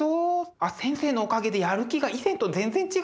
あっ先生のおかげでやる気が以前と全然違いますから。